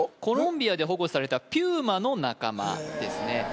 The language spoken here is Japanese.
コロンビアで保護されたピューマの仲間ですね